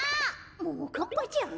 ももかっぱちゃん？